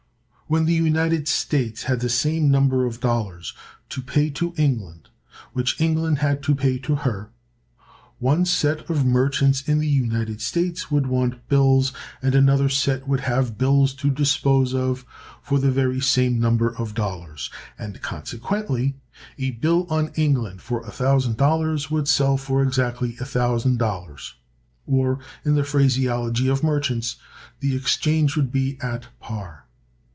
When the United States had the same number of dollars to pay to England which England had to pay to her, one set of merchants in the United States would want bills, and another set would have bills to dispose of, for the very same number of dollars; and consequently a bill on England for $1,000 would sell for exactly $1,000, or, in the phraseology of merchants, the exchange would be at par.